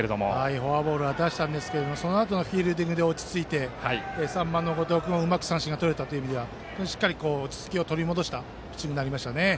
フォアボールは出したんですがそのあとのフィールディングで落ち着いて３番の後藤君うまく三振がとれたという意味ではしっかり落ち着きを取り戻したピッチングになりましたね。